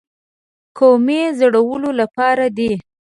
کومې زړولو لپاره دي.